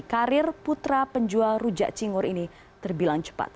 karir putra penjual rujak cingur ini terbilang cepat